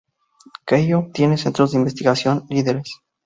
Keio tiene centros de investigación líderes.